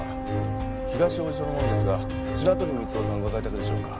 東王子署の者ですが白鳥光雄さんご在宅でしょうか？